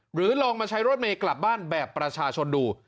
หรือลองมาใช้รถเมย์กลับบ้านแบบประชาชนดู